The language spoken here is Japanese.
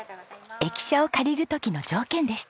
駅舎を借りる時の条件でした。